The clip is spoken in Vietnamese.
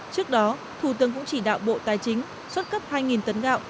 trước đó thủ tướng cũng chỉ đạo bộ tài chính xuất cấp hai tấn gạo